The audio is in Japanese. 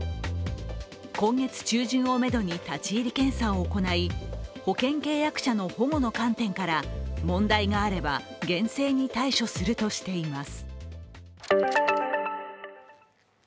今月中旬をめどに立ち入り検査を行い、保険契約者の保護の観点から問題があれば、厳正に対処するとしています。